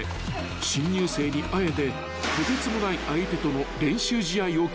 ［新入生にあえてとてつもない相手との練習試合を組んだのだ］